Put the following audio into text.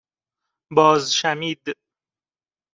بازشَمید